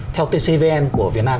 theo tcvn của việt nam